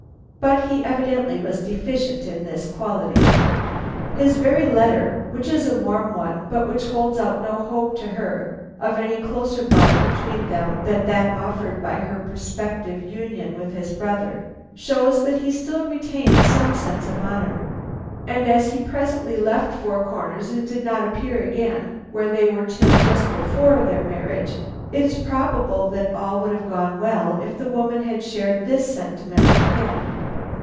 But he evidently was deficient in this quality. His very letter, which is a warm one, but which holds out no hope to her of any closer bond between them than that offered by her prospective union with his brother, shows that he still retained some sense of honor, and as he presently left Four Corners and did not appear again where they were till just before their marriage, it is probable that all would have gone well if the woman had shared this sentiment with him.